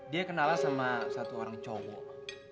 dia kenalah sama satu orang cowok